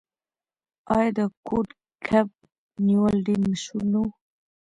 آیا د کوډ کب نیول ډیر مشهور نه و؟